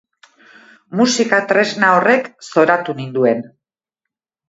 Musika tresna horrek zoratu ninduen.